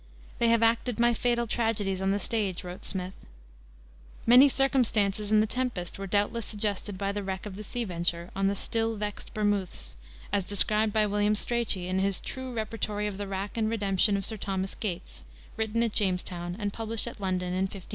"They have acted my fatal tragedies on the stage," wrote Smith. Many circumstances in The Tempest were doubtless suggested by the wreck of the Sea Venture on "the still vext Bermoothes," as described by William Strachey in his True Repertory of the Wrack and Redemption of Sir Thomas Gates, written at Jamestown, and published at London in 1510.